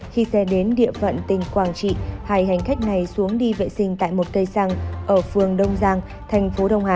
khi xe đến địa phận tỉnh quảng trị hai hành khách này xuống đi vệ sinh tại một cây xăng ở phường đông giang thành phố đông hà